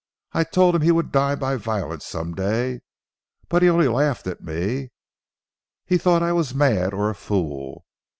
I told him he would die by violence some day. But he only laughed at me. He thought I was mad or a fool.